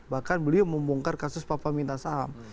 bahkan beliau membongkar kasus papa minta saham